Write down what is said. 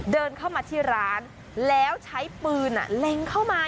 เดินเข้ามาที่ร้านแล้วใช้ปืนเล็งเข้ามา